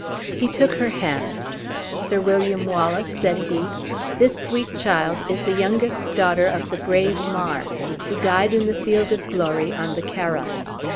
He took her hand: "Sir William Wallace," said he, "this sweet child is the youngest daughter of the brave Mar, who died in the field of glory on the Carron.